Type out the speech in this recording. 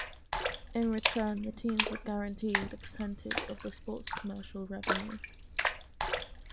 In return the teams were guaranteed a percentage of the sport's commercial revenue.